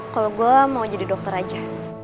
kalau gue mau jadi dokter aja